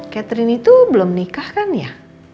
catherine itu belum nikah kan ya